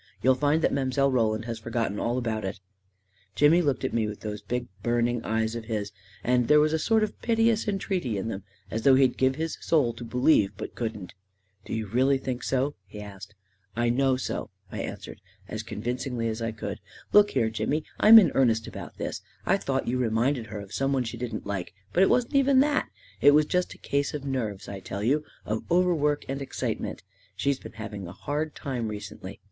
You'll find that Mile. Roland has for gotten all about it !" Jimmy looked at me with those big, burning eyes A KING IN BABYLON 7* * of his, and there was a sort of piteous entreaty in them, as though he'd give his soul to believe, but couldn't ^" Do you really think so? " he asked. " I know so," I answered, as convincingly as I could " Look here, Jimmy, I'm in earnest about this. I thought you reminded her of some one she didn't like; but it wasn't even that. It was just a case of nerves, I tell you — of overwork and ex citement. She's been having a hard time recently.